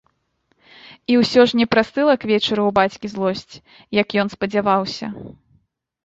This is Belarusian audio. І ўсё ж не прастыла к вечару ў бацькі злосць, як ён спадзяваўся.